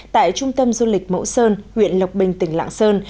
tại trung tâm du lịch mẫu sơn huyện lộc bình tỉnh lạng sơn